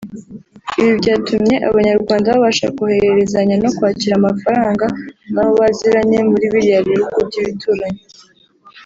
Ibi byatumye Abanyarwanda babasha kohererezanya no kwakira amafaranga n’abo baziranye muri biriya bihugu by’ibituranyi